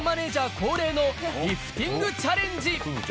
恒例のリフティングチャレンジ